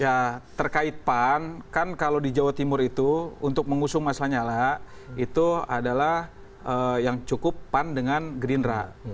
ya terkait pan kan kalau di jawa timur itu untuk mengusung mas lanyala itu adalah yang cukup pan dengan gerindra